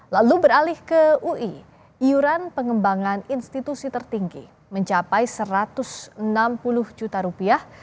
lalu beralih ke ui iuran pengembangan institusi tertinggi mencapai satu ratus enam puluh juta rupiah